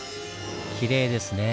きれいですねぇ。